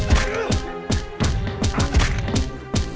curaing curaing curaing